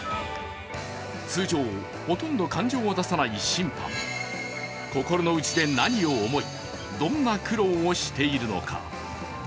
通常、ほとんど感情は出さない審判心のうちで何を思いどんな苦労をしているのか。